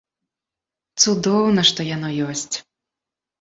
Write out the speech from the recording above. Цудоўна, што яно ёсць.